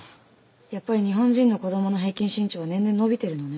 やっぱり日本人の子供の平均身長は年々伸びてるのね。